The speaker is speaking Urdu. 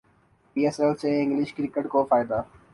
پی ایس ایل سے انگلش کرکٹ کو فائدہ